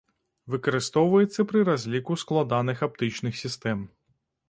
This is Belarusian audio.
Выкарыстоўваецца пры разліку складаных аптычных сістэм.